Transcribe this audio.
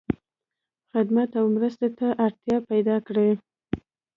خدمت او مرستو ته اړتیا پیدا کړی.